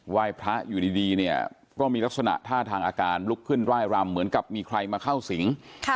ยพระอยู่ดีเนี่ยก็มีลักษณะท่าทางอาการลุกขึ้นร่ายรำเหมือนกับมีใครมาเข้าสิง